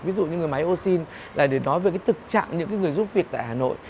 ví dụ như người máy oxy là để nói về cái thực trạng những người giúp việc tại hà nội